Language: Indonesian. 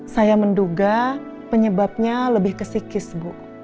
saya menduga penyebabnya lebih ke psikis bu